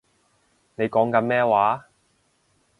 你講緊咩話